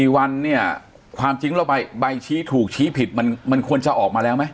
๔วันเนี่ยความจริงแล้วใบชี้ถูกชี้ผิดมันควรจะออกมาแล้วไหม